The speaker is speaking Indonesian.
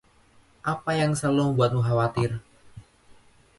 Apa yang selalu membuatmu khawatir?